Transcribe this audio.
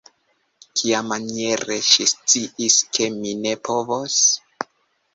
Kiamaniere ŝi sciis, ke mi ne povos?